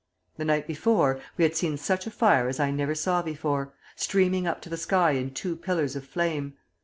The night before, we had seen such a fire as I never saw before, streaming up to the sky in two pillars of flame.